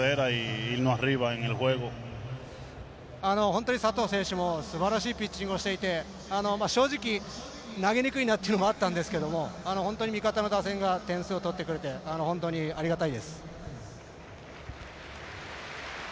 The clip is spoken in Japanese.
本当に佐藤選手もすばらしいピッチングをしていて正直、投げにくいなというのもあったんですけど本当に味方の打線が点数を取ってくれて本当にありがたいです。